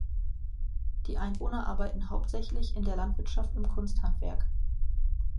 Die Einwohner arbeiten hauptsächlich in der Landwirtschaft im Kunsthandwerk.